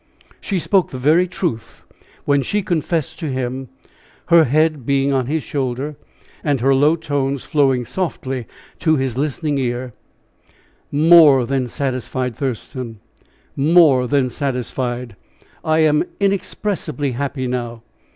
She spoke the very truth when she confessed to him her head being on his shoulder, and her low tones flowing softly to his listening ear: "More than satisfied, Thurston more than satisfied, I am inexpressibly happy now.